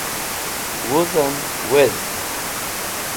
Wuzem wezg